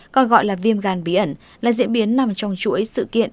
còn gọi là viêm gan bí ẩn là diễn biến nằm trong chuỗi sự kiện